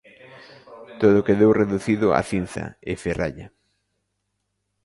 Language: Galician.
Todo quedou reducido a cinza e ferralla.